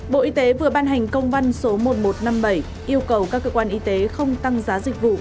bộ y tế vừa ban hành công văn số một nghìn một trăm năm mươi bảy yêu cầu các cơ quan y tế không tăng giá dịch vụ